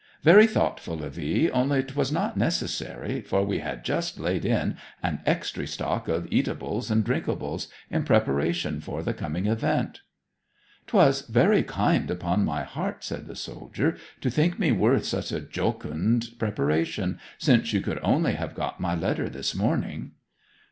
'Very thoughtful of 'ee, only 'twas not necessary, for we had just laid in an extry stock of eatables and drinkables in preparation for the coming event.' ''Twas very kind, upon my heart,' said the soldier, 'to think me worth such a jocund preparation, since you could only have got my letter this morning.'